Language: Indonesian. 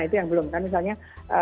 itu yang belum kan misalnya